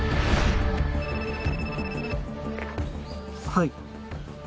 はい。